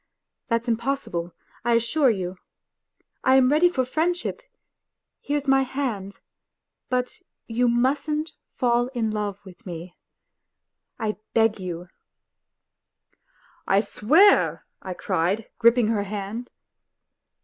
... That's impossible, I assure you. I am ready for friendship; here's my hand. ... J|ut you mustn't fall in love with me, I beg you !" T Tr?w^aT7 A ^~CTfed", gripping her hand.